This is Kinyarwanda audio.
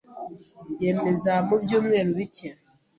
yemeza mu byumweru bike